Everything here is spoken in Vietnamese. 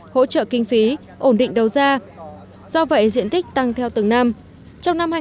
hỗ trợ kinh phí ổn định đầu ra do vậy diện tích tăng theo từng năm